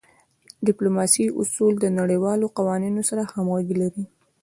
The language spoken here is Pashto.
د ډیپلوماسی اصول د نړیوالو قوانینو سره همږغي لری.